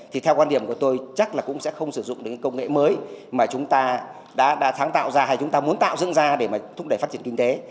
thì theo quan điểm của tôi chắc là cũng sẽ không sử dụng được những công nghệ mới mà chúng ta đã sáng tạo ra hay chúng ta muốn tạo dựng ra để mà thúc đẩy phát triển kinh tế